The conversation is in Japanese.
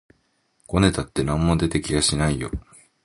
ごねたって何も出て来やしないよ